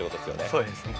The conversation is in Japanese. そうですね。